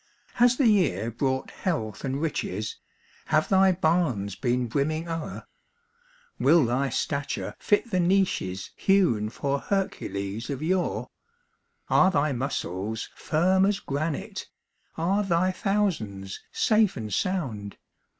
Has the year brought health and riches? Have thy barns been brimming o'er? Will thy stature fit the niches Hewn for Hercules of yore? Are thy muscles firm as granite? Are thy thousands safe and sound?